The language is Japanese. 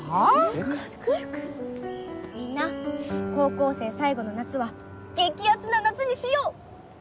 みんな高校生最後の夏は激アツな夏にしよう！